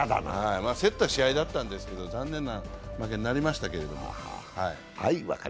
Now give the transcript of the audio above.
競った試合だったんですけど、残念な負けになりましたけど。